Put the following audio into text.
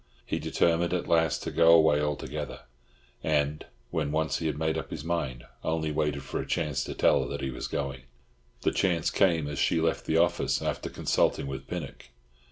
He determined at last to go away altogether, and, when once he had made up his mind, only waited for a chance to tell her that he was going. The chance came as she left the office after consulting with Pinnock.